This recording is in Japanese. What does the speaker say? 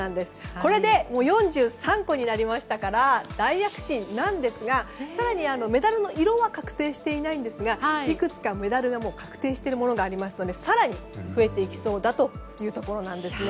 これで４３個になりましたから大躍進なんですが更にメダルの色は確定していないんですがいくつかメダルが確定しているものがありますので更に増えていきそうだというところなんですね。